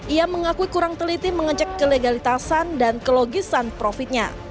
ia mengakui kurang teliti mengecek kelegalitasan dan kelogisan profitnya